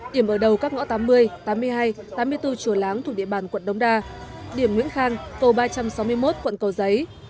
điểm ở đầu các ngõ tám mươi tám mươi hai tám mươi bốn chùa láng thuộc địa bàn quận đống đa điểm nguyễn khang cầu ba trăm sáu mươi một quận cầu giấy